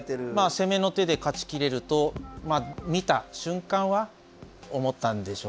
攻めの手で勝ちきれると見た瞬間は思ったんでしょうね。